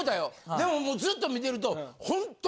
でもずっと見てると。